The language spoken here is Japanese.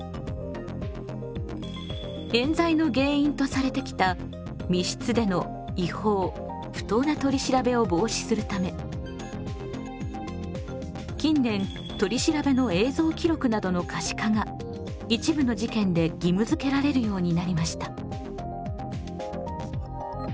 冤罪の原因とされてきた密室での違法・不当な取り調べを防止するため近年取り調べの映像記録などの可視化が一部の事件で義務づけられるようになりました。